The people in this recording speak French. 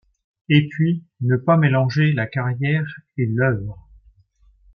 Et puis, ne pas mélanger la carrière et l'œuvre.